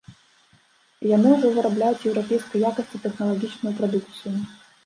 І яны ўжо вырабляюць еўрапейскай якасці тэхналагічную прадукцыю.